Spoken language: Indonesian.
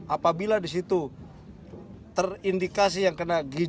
apabila disitu terindikasi yang kena gizi